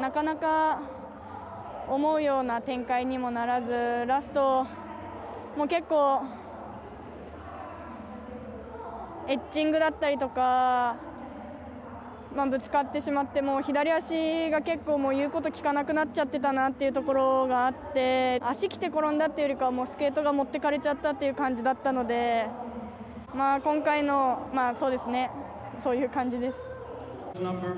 なかなか思うような展開にもならずラスト、結構エッジングだったりとかぶつかってしまって左足が結構言うことを聞かなくなっちゃってたなということがあって足きて転んだというよりはスケートが持ってかれちゃったという感じだったので今回のそういう感じです。